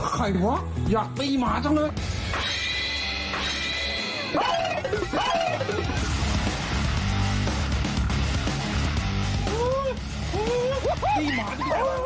ใครวะอยากตีหมาจังเลย